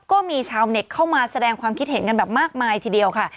ก็มีชาวเน็ตเข้ามาแสดงความคิดเห็นกันแบบมากมายทีเดียวค่ะ